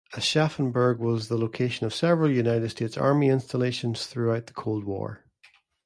Aschaffenburg was the location of several United States Army installations throughout the Cold War.